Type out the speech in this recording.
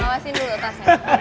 awasin dulu tasnya